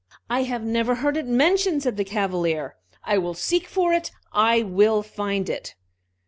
"I have never heard it mentioned," said the Cavalier. "I will seek for it. I will find it."